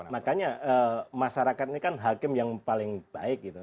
makanya masyarakatnya kan hakim yang paling baik